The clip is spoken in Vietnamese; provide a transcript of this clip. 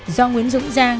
do nguyễn dũng giang